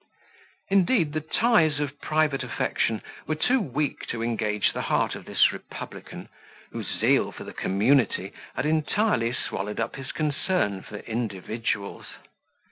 Indeed, the ties of private affection were too weak to engage the heart of this republican, whose zeal for the community had entirely swallowed up his concern for individuals.